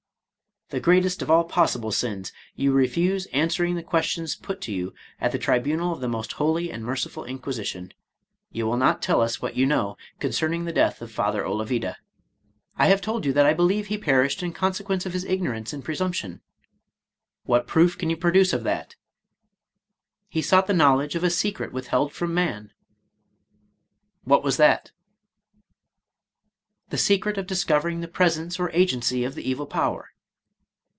— "The greatest of all possible sins; you refuse answering the questions put to you at the tribunal of the most holy and merciful Inqui sition; — you will not tell us what you know concerning the death of Father Olavida." —" I have told you that I believe he perished in consequence of his ignorance and presump tion." "What proof can you produce of that?" — "He sought the knowledge of a secret withheld from man." "What was that?" — "The secret of discovering the pres ence or agency of the evil power."